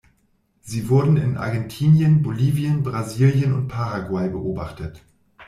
Sie wurden in Argentinien, Bolivien, Brasilien und Paraguay beobachtet.